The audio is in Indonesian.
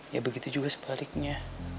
ya begitu juga sebaliknya